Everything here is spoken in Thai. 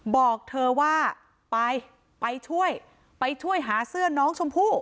บอกเธอว่าไปไปช่วยไปช่วยหาเสื้อน้องชมพู่